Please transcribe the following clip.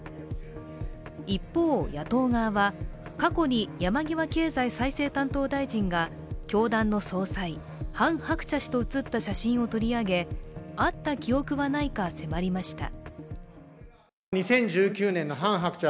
一方、野党側は過去に山際経済再生担当大臣が教団の総裁、ハン・ハクチャ氏と写った写真を取り上げ会った記憶はないか迫りました。